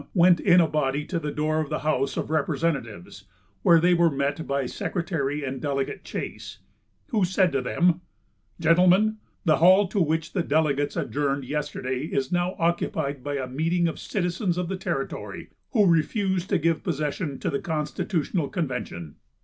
went in a body to the door of the house of representatives, where they were met by Secretary and Delegate Chase, who said to them: "Gentlemen, the hall to which the delegates adjourned yesterday is now occupied by a meeting of citizens of the territory, who refuse to give possession to the constitutional convention."